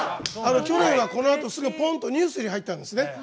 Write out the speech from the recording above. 去年は、このあとすぐぽんとニュースに入ったんですね。